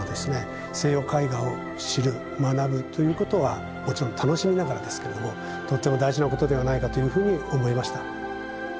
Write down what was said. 西洋絵画を知る学ぶということはもちろん楽しみながらですけれどもとっても大事なことではないかというふうに思いました。